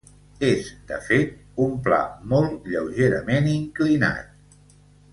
És, de fet, un pla molt lleugerament inclinat.